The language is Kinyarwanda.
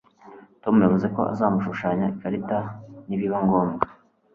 Tom yavuze ko azamushushanya ikarita nibiba ngombwa